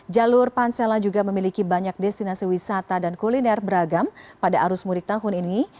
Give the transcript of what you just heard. jalur pansela juga memiliki banyak destinasi wisata dan kuliner beragam pada arus mudik tahun ini